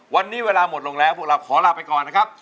วันนี้เวลาหมดลงแล้วพวกเราขอลาไปก่อนนะครับ